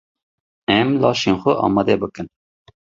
Em laşên xwe amade bikin.